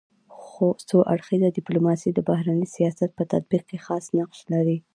څو اړخیزه ډيپلوماسي د بهرني سیاست په تطبیق کي خاص نقش لري.